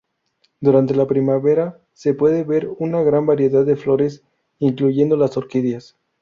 Durante la primavera se puede ver una gran variedad de flores, incluyendo las orquídeas.